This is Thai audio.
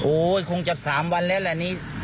คงจะ๓วันแล้วแหละนี้